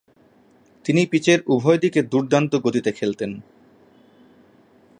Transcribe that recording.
তিনি পিচের উভয় দিকে দূর্দান্ত গতিতে খেলতেন।